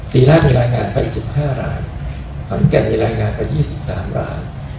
สี่ราชมีรายงานไปสิบห้ารายขวัญแก่มีรายงานไปยี่สิบสามราย